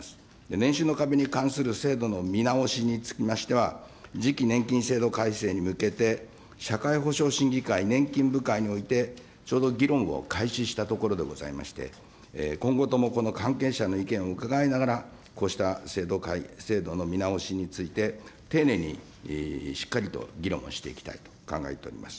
年収の壁に関する制度の見直しにつきましては、次期年金制度改正に向けて、社会保障審議会、年金部会においてちょうど議論を開始したところでございまして、今後ともこの関係者の意見を伺いながら、こうした制度の見直しについて、丁寧にしっかりと議論をしていきたいと考えております。